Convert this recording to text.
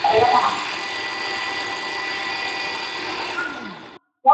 问题的名称来源于如何选择最合适的物品放置于给定背包中。